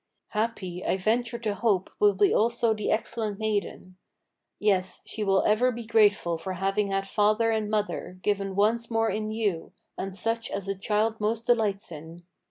Happy, I venture to hope, will be also the excellent maiden. Yes; she will ever be grateful for having had father and mother Given once more in you, and such as a child most delights in.